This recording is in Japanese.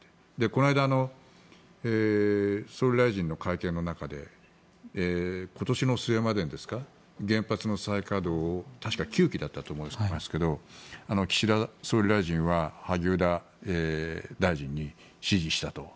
この間、総理大臣の会見の中で今年の末までに原発の再稼働を確か９基だったと思いますけど岸田総理大臣は萩生田大臣に指示したと。